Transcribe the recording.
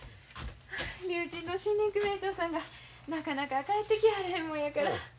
竜神の森林組合長さんがなかなか帰ってきはらへんもんやから。